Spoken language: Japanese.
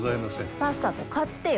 さっさと買ってよ。